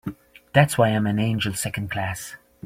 That's why I'm an angel Second Class.